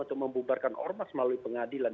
atau membubarkan ormas melalui pengadilan